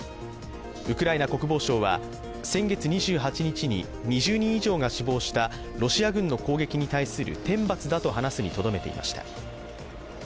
ウクライナ国防省は先月２８日に２０人以上が死亡したロシア軍の攻撃に対する天罰だと話すにとどめていました。